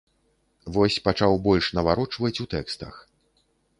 Вось пачаў больш наварочваць у тэкстах.